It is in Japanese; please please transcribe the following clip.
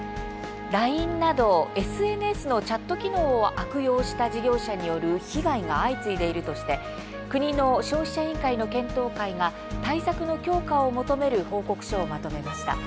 ＬＩＮＥなどＳＮＳのチャット機能を悪用した事業者による被害が相次いでいるとして国の消費者委員会の検討会が対策の強化を求める報告書をまとめました。